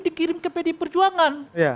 dikirim ke pdi perjuangan